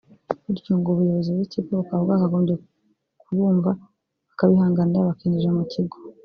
bityo ngo ubuyobozi bw’ikigo bukaba bwakagombye kubumva bukabihanganira bakinjira mu kigo